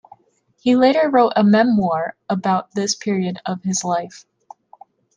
He later wrote a memoir about this period of his life.